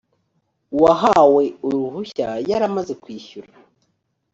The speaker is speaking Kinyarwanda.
uwahawe uruhushya yaramaze kwishyura